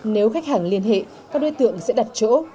nếu khách hàng liên hệ các đối tượng sẽ đặt chỗ